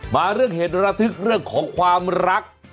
มาเรื่องเหตุระทึกเรื่องของความรัก